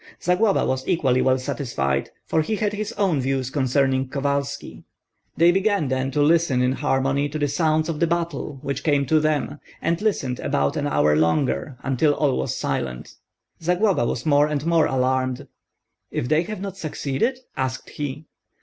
Zagloba was equally well satisfied, for he had his own views concerning Kovalski. They began then to listen in harmony to the sounds of the battle which came to them, and listened about an hour longer, until all was silent. Zagloba was more and more alarmed. "If they have not succeeded?" asked he.